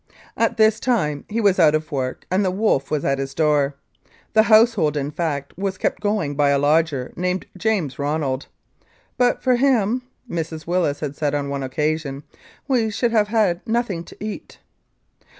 At this time he was out of work and the wolf was at his door. The household, in fact, was kept going by a lodger named James Ronald. "But for him," Mrs. Willis had said on one occasion, "we should have had nothing to eat."